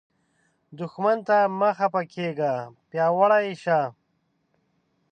دښمن ته مه خفه کیږه، پیاوړی شه